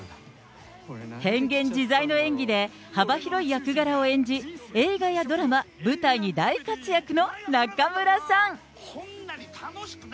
変幻自在の演技で、幅広い役柄を演じ、映画やドラマ、舞台に大活躍の中村さん。